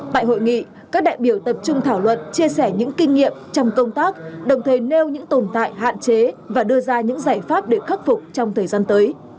tại hội nghị các đại biểu tập trung thảo luận chia sẻ những kinh nghiệm trong công tác đồng thời nêu những tồn tại hạn chế và đưa ra những giải pháp để khắc phục trong thời gian tới